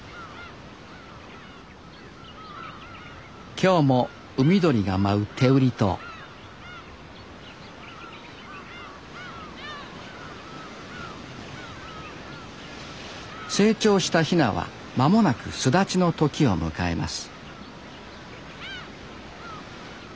今日も海鳥が舞う天売島成長したヒナは間もなく巣立ちの時を迎えます